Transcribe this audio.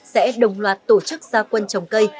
sẽ đồng loạt tổ chức gia quân trồng cây